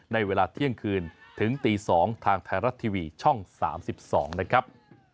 ในเวลาเที่ยงคืนถึงตี๒ทางไทยรัฐทีวีช่อง๓๒นะครับ